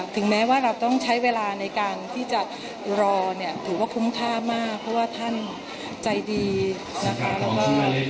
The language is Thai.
ถึงแม้ว่าเราต้องใช้เวลาในการที่จะรอเนี่ยถือว่าคุ้มค่ามากเพราะว่าท่านใจดีนะคะแล้วก็